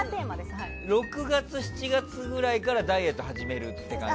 ６月７月ぐらいからダイエット始めるって感じ？